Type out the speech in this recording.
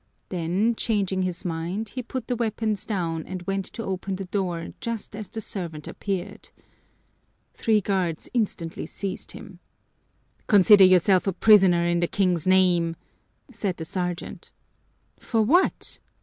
Then changing his mind, he put the weapons down and went to open the door just as the servant appeared. Three guards instantly seized him. "Consider yourself a prisoner in the King's name," said the sergeant. "For what?"